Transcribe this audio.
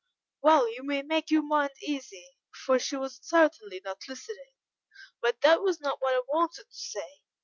"Well, you may make your mind easy, for she was certainly not listening. But that was not what I wanted to say.